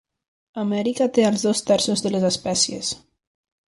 Amèrica té els dos terços de les espècies.